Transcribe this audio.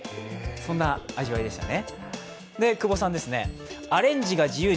そんな味わいでしたね。